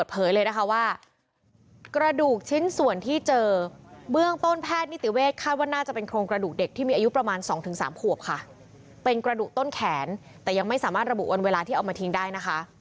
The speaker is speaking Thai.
เป็นกระดูกต้นแขนแต่ยังไม่สามารถระบุวันเวลาที่เอามาทิ้งได้นะคะ